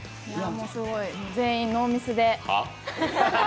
すごい、全員ノーミスで。